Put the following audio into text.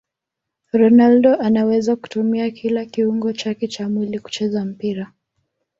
ronaldo anaweza kutumia kila kiungo chake cha mwili kucheza mpira